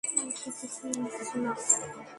ও খুব বেশি কিছু না।